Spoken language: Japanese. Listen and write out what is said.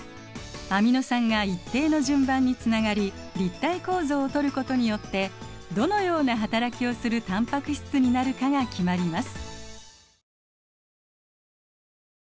アミノ酸が一定の順番につながり立体構造をとることによってどのような働きをするタンパク質になるかが決まります。